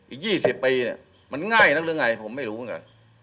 อีกยี่สิบปีเนี้ยมันง่ายนะเรื่องไงผมไม่รู้เหมือนกัน